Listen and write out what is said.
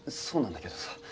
そうなんだけどさ